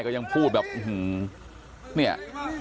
เกิดยังพูดแบบหืมเนี่ย